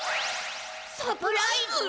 サプライズ？